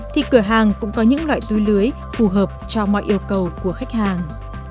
thì cửa hàng cũng có những loại túi lưới phù hợp cho mọi yêu cầu của khách hàng